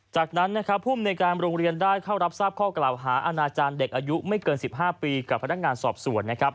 จากนั้นนะครับภูมิในการโรงเรียนได้เข้ารับทราบข้อกล่าวหาอาณาจารย์เด็กอายุไม่เกิน๑๕ปีกับพนักงานสอบสวนนะครับ